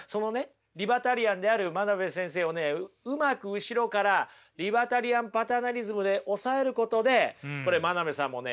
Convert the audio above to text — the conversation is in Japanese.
リバタリアンである真鍋先生をねうまく後ろからリバタリアン・パターナリズムで抑えることでこれ真鍋さんもね